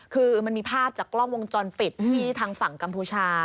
คือมันมีภาพจากกล้องวงจรปิดที่ทางฝั่งกัมพูชา